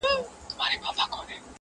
ما له مړو کفنونه تښتولي-